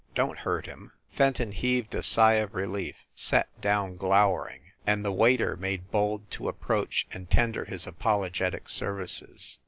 Don t hurt him !" Fenton heaved a sigh of relief, sat down, glow ering, and the waiter made bold to approach and tender his apologetic services.